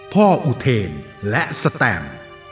พ่ออุเทรนและสแตม